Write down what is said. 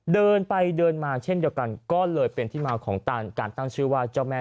เดินไปเดินมาเช่นเดียวกันก็เลยเป็นที่มาของการตั้งชื่อว่าเจ้าแม่